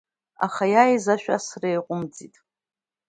Аха иааиз ашә асра иаҟәымҵит.